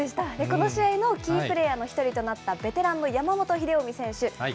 この試合のキープレーヤーの１人となったベテランの山本英臣選手。